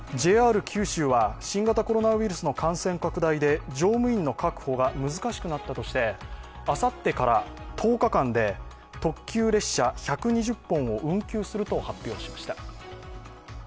ＪＲ九州は新型コロナウイルスの感染拡大で、乗務員の確保が難しくなったとしてあさってから１０日間で特急列車１２０本を運休すると発表しました。